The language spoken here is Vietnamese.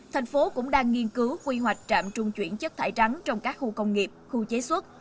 tp hcm cũng đang nghiên cứu quy hoạch trạm trung chuyển chất thải rắn trong các khu công nghiệp khu chế xuất